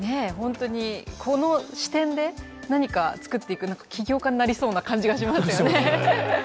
この視点で何か作っていく起業家になりそうな感じがしますよね。